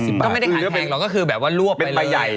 ก็ไม่ได้ขายแพงหรอกก็คือแบบว่ารวบไปเลย